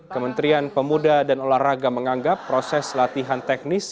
kementerian pemuda dan olahraga menganggap proses latihan teknis